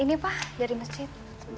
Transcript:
ini pak dari masjid